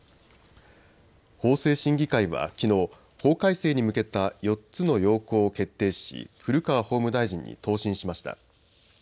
法制審議会はきのう法改正に向けた４つの要綱を決定し、古川法務大臣に答申しました。